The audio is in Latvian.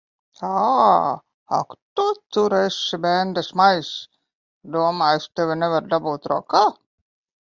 Ā! Ak tu tur esi, bendesmaiss! Domā, es tevi nevaru dabūt rokā.